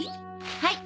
はい。